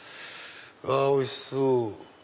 うわおいしそう！